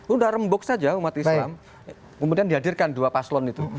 udah rembuk saja umat islam kemudian dihadirkan dua paslon itu